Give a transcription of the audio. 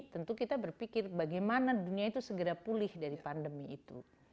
tentu kita berpikir bagaimana dunia itu segera pulih dari pandemi itu